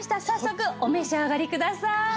早速お召し上がりください。